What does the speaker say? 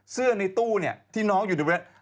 เสื้อในตู้ที่น้องอยู่ในเวลา